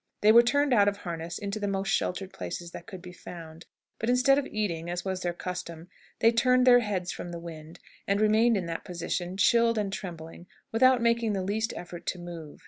They were turned out of harness into the most sheltered place that could be found; but, instead of eating, as was their custom, they turned their heads from the wind, and remained in that position, chilled and trembling, without making the least effort to move.